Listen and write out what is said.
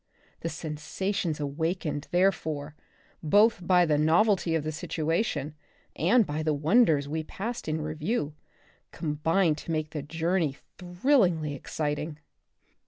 The sensa tions awakened, therefore, both by the novelty of the situation and by the wonders we passed in review, combined to make the journey thrill ingly exciting.